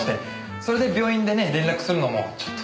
それで病院でね連絡するのもちょっと。